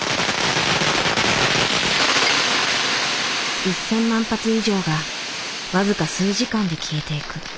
１，０００万発以上が僅か数時間で消えていく。